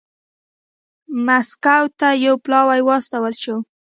مسکو ته یو پلاوی واستول شو